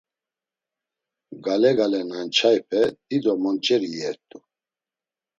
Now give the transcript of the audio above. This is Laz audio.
Gale gale na nçaype dido monç̌eri iyert̆u.